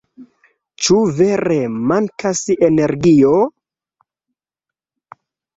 Ĉu vere mankas energio?